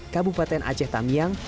kabupaten aceh tamyang